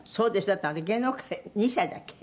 だって芸能界２歳だっけ？」